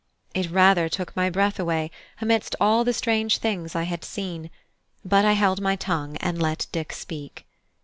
It rather took my breath away, amidst all the strange things I had seen; but I held my tongue and let Dick speak.